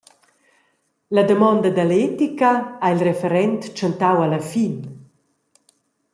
La damonda dall’etica ha il referent tschentau alla fin.